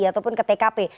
ataupun ke tkp